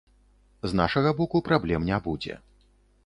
З нашага боку праблем не будзе.